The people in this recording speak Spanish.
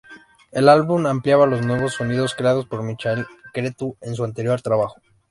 El álbum ampliaba los nuevos sonidos creados por Michael Cretu en su anterior trabajo.